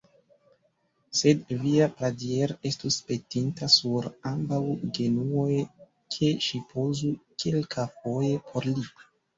Sed via Pradier estus petinta sur ambaŭ genuoj, ke ŝi pozu kelkafoje por li.